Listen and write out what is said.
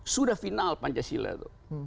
sudah final pancasila itu